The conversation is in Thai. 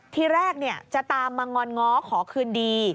ทีแรกจะตามมางอนง้อขอคืนดี